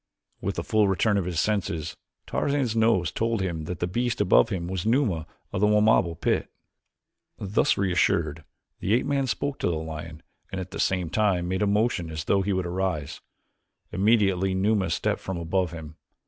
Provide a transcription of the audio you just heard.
With the full return of his senses Tarzan's nose told him that the beast above him was Numa of the Wamabo pit. Thus reassured, the ape man spoke to the lion and at the same time made a motion as though he would arise. Immediately Numa stepped from above him.